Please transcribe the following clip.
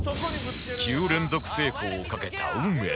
９連続成功を懸けた運命の時